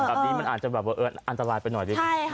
อันนี้อันตรายไปหน่อย